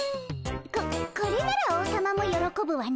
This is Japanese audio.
ここれなら王様もよろこぶわね。